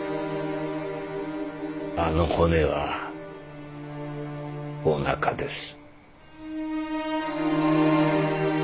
あの骨はおなかです。